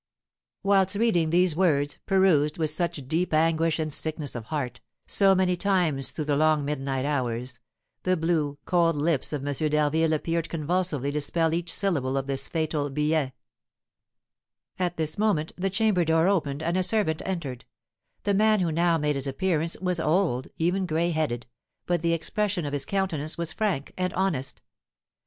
Whilst reading these words, perused, with such deep anguish and sickness of heart, so many times through the long midnight hours, the blue, cold lips of M. d'Harville appeared convulsively to spell each syllable of this fatal billet. At this moment the chamber door opened and a servant entered; the man who now made his appearance was old, even gray headed, but the expression of his countenance was frank and honest.